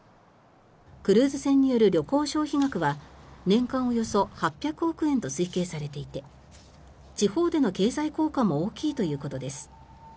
クルーズ船による旅行消費額は年間およそ８００億円と推計されていて地方での経済効果も大きいということです。